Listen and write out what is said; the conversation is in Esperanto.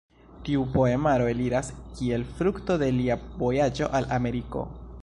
Tiu poemaro eliras kiel frukto de lia vojaĝo al Ameriko.